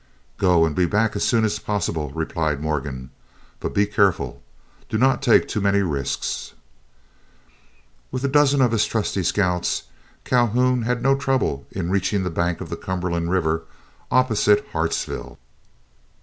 "Go, and be back as soon as possible," replied Morgan, "but be careful; do not take too many risks." With a dozen of his trusty scouts, Calhoun had no trouble in reaching the bank of the Cumberland River opposite Hartsville.